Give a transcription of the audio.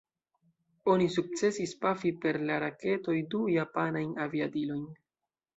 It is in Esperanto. Oni sukcesis pafi per la raketoj du japanajn aviadilojn.